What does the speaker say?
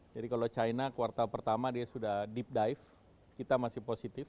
jadi kalau china kuartal pertama dia sudah deep dive kita masih positif